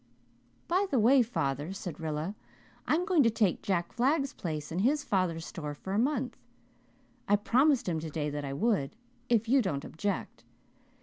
"By the way, father," said Rilla, "I'm going to take Jack Flagg's place in his father's store for a month. I promised him today that I would, if you didn't object.